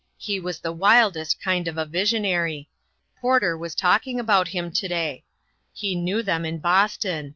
He was the wildest kind of a visionary. Porter was talking about him to day. He knew them in Boston.